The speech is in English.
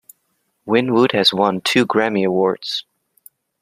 Winwood has won two Grammy Awards.